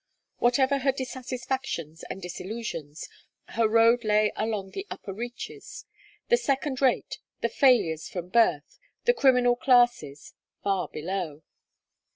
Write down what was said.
Whatever her dissatisfactions and disillusions, her road lay along the upper reaches; the second rate, the failures from birth, the criminal classes, far below.